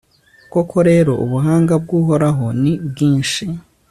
koko rero, ubuhanga bw'uhoraho ni bwinshi